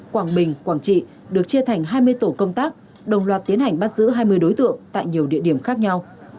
quảng bình quảng trị được chia thành hai mươi tổ công tác đồng loạt tiến hành bắt giữ hai mươi đối tượng tại nhiều địa điểm khác nhau